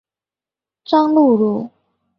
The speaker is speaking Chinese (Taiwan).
彰鹿路